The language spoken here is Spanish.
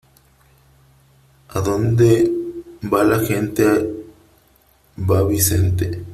Adonde va la gente, va Vicente.